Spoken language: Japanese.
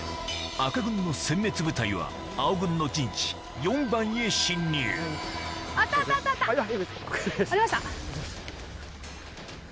赤軍のせん滅部隊は青軍の陣地４番へ侵入あったあった！